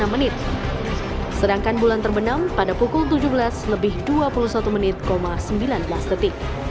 tiga menit sedangkan bulan terbenam pada pukul tujuh belas lebih dua puluh satu menit sembilan belas detik